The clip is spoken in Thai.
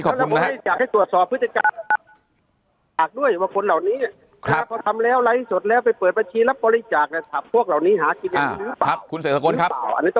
ขอบคุณครับ